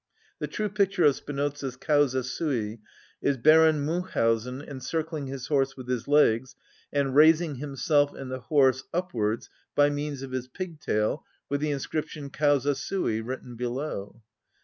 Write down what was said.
The true picture of Spinoza's "Causa sui" is Baron Munchhausen encircling his horse with his legs, and raising himself and the horse upwards by means of his pigtail, with the inscription "Causa sui" written below.